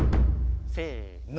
せの。